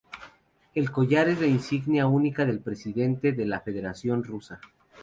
El collar es la insignia única del Presidente de la Federación rusa.